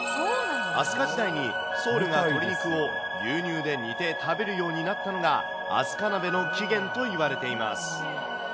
飛鳥時代に僧侶が鶏肉を牛乳で煮て食べるようになったのが、飛鳥鍋の起源といわれています。